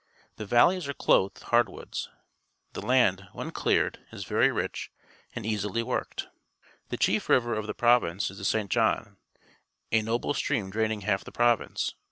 The valleys are clothed with hardwoods. The land, when cleared, is very rich and easih' worked. The cliief river of the province is the St. John a noble stream draining half the province.